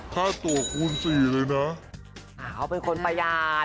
เขาเป็นคนประหยาด